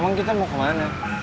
emang kita mau kemana